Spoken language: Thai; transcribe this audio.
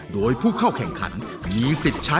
โดยผู้เข้าแข่งขันมีสิทธิ์ใช้